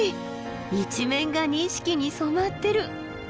一面が錦に染まってる。